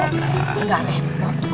makasih mas chandra